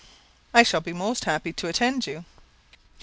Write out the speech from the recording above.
"I shall be most happy to attend you."